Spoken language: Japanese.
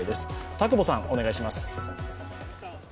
田久保さん、お願いします。